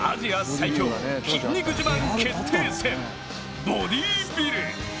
最強筋肉自慢決定戦ボディービル。